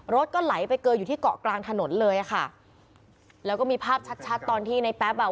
รถก็ไหลไปเกออยู่ที่เกาะกลางถนนเลยอ่ะค่ะแล้วก็มีภาพชัดชัดตอนที่ในแป๊บอ่ะ